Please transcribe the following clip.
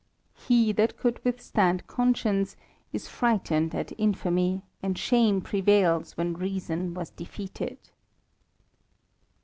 He that could withstand conscience is 'i^ghled at infamy, and shame prevails when reason was *^ofeated.